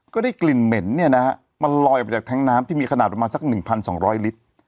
ก็ได้กลิ่นเหม็นเนี่ยนะฮะมันลอยออกไปจากแท้งน้ำที่มีขนาดประมาณสัก๑๒๐๐ลิตร